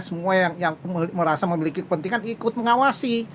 semua yang merasa memiliki kepentingan ikut mengawasi